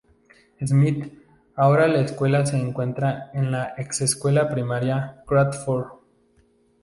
Smith, ahora la escuela se encuentra en la ex-Escuela Primaria Crawford.